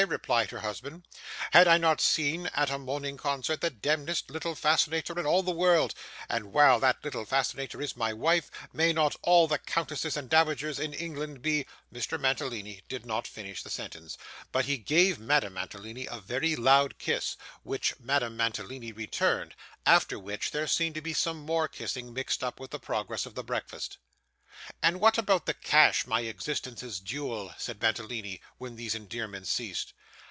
replied her husband. 'Had I not seen, at a morning concert, the demdest little fascinator in all the world, and while that little fascinator is my wife, may not all the countesses and dowagers in England be ' Mr. Mantalini did not finish the sentence, but he gave Madame Mantalini a very loud kiss, which Madame Mantalini returned; after which, there seemed to be some more kissing mixed up with the progress of the breakfast. 'And what about the cash, my existence's jewel?' said Mantalini, when these endearments ceased.